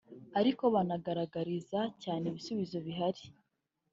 ariko banangaragariza cyane ibisubizo bihari